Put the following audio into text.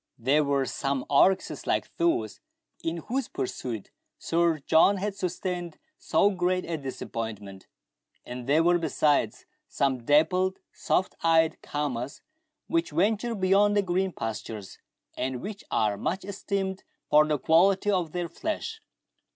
There were some oryxes like those in whose pursuit Sir John had sustained so great a disappointment, and there were besides, some dappled, soft eyed caamas, which venture beyond the green pasturages, and which are much esteemed for the quality of their flesh.